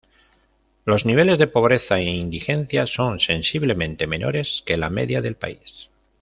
Los niveles de pobreza e indigencia son sensiblemente menores que la media del país.